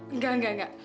enggak enggak enggak